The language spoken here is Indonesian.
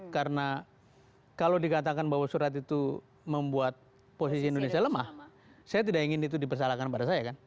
karena kalau dikatakan bahwa surat itu membuat posisi indonesia lemah saya tidak ingin itu dipersalahkan pada saya kan